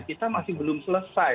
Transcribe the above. kita masih belum selesai